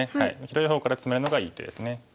広い方からツメるのがいい手です。